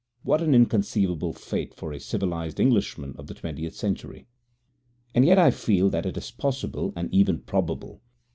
What an inconceivable fate for a civilized Englishman of the twentieth century! And yet I feel that it is possible and even probable.